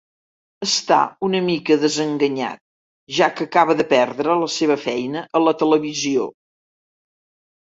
Està una mica desenganyat, ja que acaba de perdre la seva feina a la televisió.